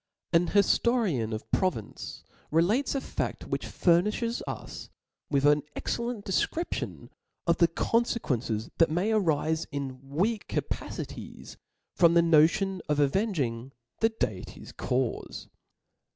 C) Father ^^^ hiftorian \^) of Provence relates a faft, which ' furnilhes us^ith' an excellent defcription. of the confequences that ipay arife in weak capacities from the notion of avenging the Deity's caufc.